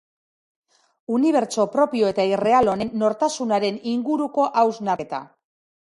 Unibertso propio eta irreal honen nortasunaren inguruko hausnarketa.